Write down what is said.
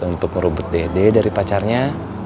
untuk ngerubut dede dari pacarnya